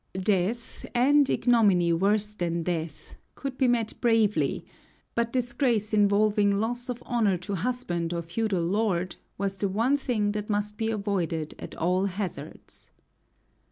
Death, and ignominy worse than death, could be met bravely, but disgrace involving loss of honor to husband or feudal lord was the one thing that must be avoided at all hazards.